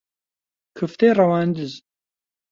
کفتەی ڕەواندز